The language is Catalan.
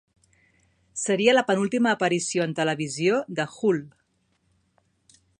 Seria la penúltima aparició en televisió de Hull.